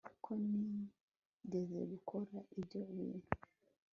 ko nigeze gukora ibyo bintu